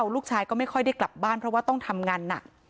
ลูกชายก็ไม่ค่อยได้กลับบ้านเพราะว่าต้องทำงานหนัก